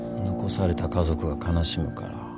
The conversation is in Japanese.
残された家族が悲しむから。